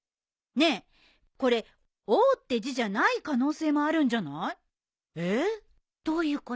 ねえこれ「大」って字じゃない可能性もあるんじゃない？